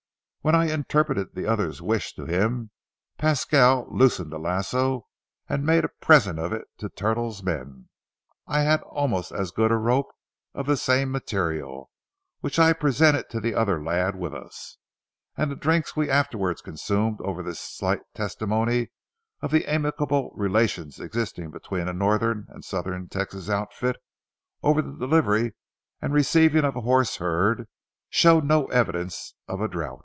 When I interpreted the other's wish to him, Pasquale loosened the lasso and made a present of it to Tuttle's man. I had almost as good a rope of the same material, which I presented to the other lad with us, and the drinks we afterward consumed over this slight testimony of the amicable relations existing between a northern and southern Texas outfit over the delivery and receiving of a horse herd, showed no evidence of a drouth.